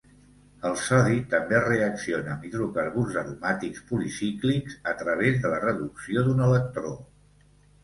El sodi també reacciona amb hidrocarburs aromàtics policíclics a través de la reducció d'un electró.